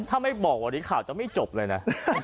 ถ้าไม่บอกวันนี้ข่าวจะไม่จบเลยนะ